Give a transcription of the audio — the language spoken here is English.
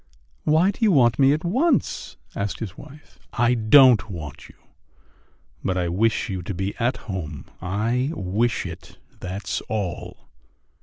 "Why do you want me at once?" asked his wife. "I don't want you, but I wish you to be at home. I wish it, that's all."